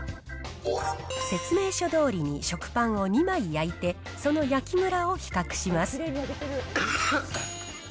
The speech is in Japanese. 説明書どおりに食パンを２枚焼いて、その焼きむらを比較します。